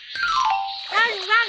ワンワン！